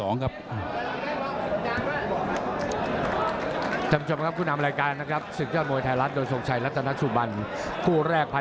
เน้นซ้ายมาเป็นพิเศษเลยนะครับ